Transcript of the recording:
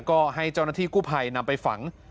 ก็ให้เจ้าหน้าที่กู้ภัยนำไปฝัง